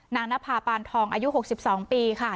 นภาปานทองอายุ๖๒ปีค่ะ